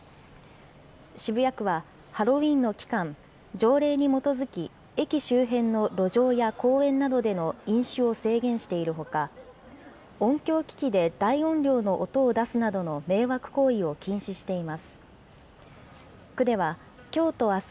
渋谷区はハロウィーンの期間、条例に基づき、駅周辺の路上や公園などでの飲酒を制限しているほか、音響機器で大音量の音を出すなどの迷惑行為を禁止しています。